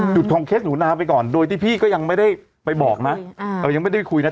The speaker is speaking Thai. จุดของเคสหนูนาไปก่อนโดยที่พี่ก็ยังไม่ได้ไปบอกนะยังไม่ได้ไปคุยนะ